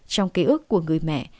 trong ký ức của người mẹ